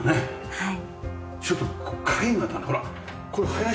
はい。